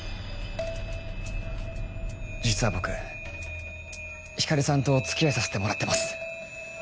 実は僕光莉さんとお付き合いさせてもらってます。